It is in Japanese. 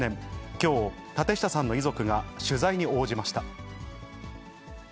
きょう、舘下さんの遺族が取材に応じました。